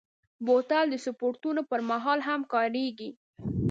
بوتل د سپورټونو پر مهال هم کارېږي.